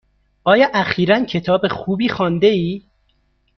آیا اخیرا کتاب خوبی خوانده ای؟